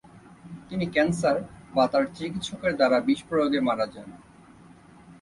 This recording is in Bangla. তিনি ক্যান্সার বা তার চিকিৎসকের দ্বারা বিষপ্রয়োগে মারা যান।